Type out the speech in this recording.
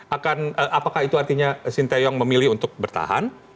akan apakah itu artinya sinteyong memilih untuk bertahan